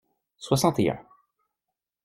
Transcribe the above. Soixante et un.